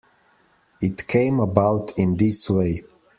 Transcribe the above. It came about in this way.